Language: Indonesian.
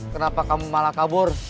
kenapa kamu malah kabur